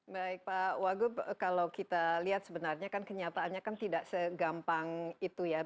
baik pak wagub kalau kita lihat sebenarnya kan kenyataannya kan tidak segampang itu ya